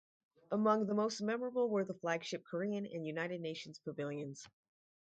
Among the most memorable were the flagship Korean and United Nations Pavilions.